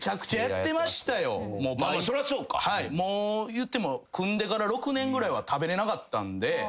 いっても組んでから６年ぐらいは食べれなかったんで。